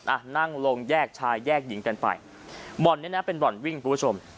อ่ะนั่งลงแยกชายแยกหญิงกันไปบ่อนเนี้ยนะเป็นบ่อนวิ่งคุณผู้ชม